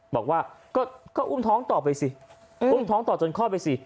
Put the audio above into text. บอกว่าก็อุ้มท้องต่อไปสิอุ้มท้องต่อจนคลอดไปสิ